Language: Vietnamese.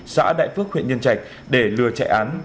xã đại phước huyện nhân trạch để lừa chạy án